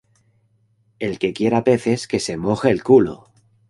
El que quiera peces que se moje el culo